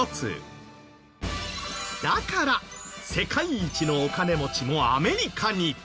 だから世界一のお金持ちもアメリカに！